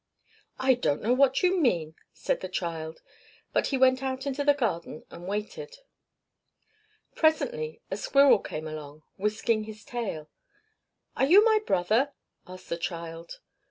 "I don't know what you mean!" said the child; but he went out into the garden and waited. Presently a squirrel came along, whisking his tail. "Are you my brother?" asked the child.